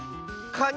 カニ！